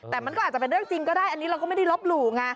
แต่มันก็อาจจะเป็นเรื่องจริงก็ได้อันนี้เราก็ไม่ได้ลบหลู่ไง